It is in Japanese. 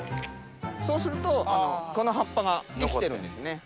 そうするとこの葉っぱが生きてるんですね。